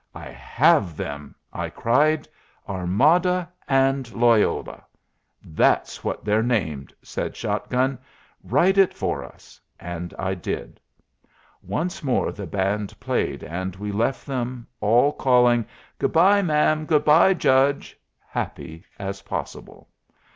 "I have them!" I cried. "'Armada' and 'Loyola.'" "That's what they're named!" said Shot gun; "write it for us." And I did. Once more the band played, and we left them, all calling, "Good bye, ma'am. Good bye, judge," happy as possible.